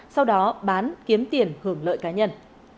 sau đó bán kiếm tiền hưởng lợi cá nhân